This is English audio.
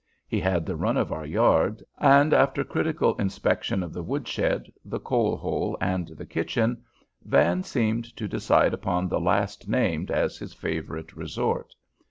He had the run of our yard, and, after critical inspection of the wood shed, the coal hole, and the kitchen, Van seemed to decide upon the last named as his favorite resort.